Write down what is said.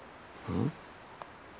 うん。